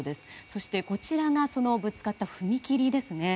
そして、こちらがぶつかった踏切ですね。